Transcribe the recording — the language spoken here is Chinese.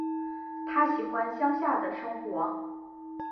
她喜欢乡下的生活